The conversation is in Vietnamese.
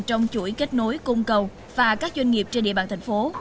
trong chuỗi kết nối cung cầu và các doanh nghiệp trên địa bàn thành phố